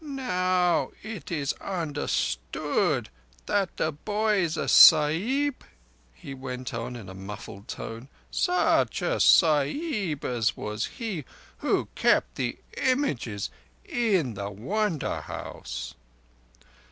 "Now it is understood that the boy is a Sahib?" he went on in a muffled tone. "Such a Sahib as was he who kept the images in the Wonder House."